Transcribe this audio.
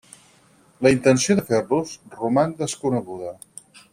La intenció de fer-los roman desconeguda.